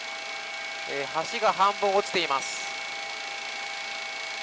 橋が半分落ちています。